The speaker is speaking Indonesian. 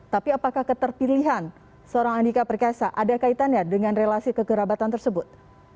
tapi apakah keterpilihan seorang andika perkasa ada kaitannya dengan relasi kekerabatan tersebut